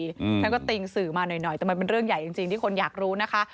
ฉันก็ติ่งสื่อมาหน่อยแต่มันเป็นเรื่องใหญ่จริงที่คนอยากรู้นะคะ